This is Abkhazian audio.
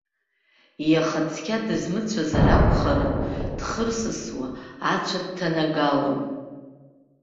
Иаха цқьа дызмыцәазар акәхарын, дхырсысуа, ацәа дҭанагалон.